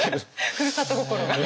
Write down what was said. ふるさと心が。